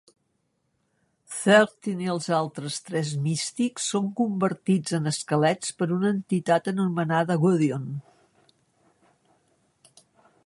Thirteen i els altres tres místics són convertits en esquelets per una entitat anomenada Gwdion.